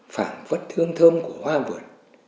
phản vất thương thơm của hoa vườn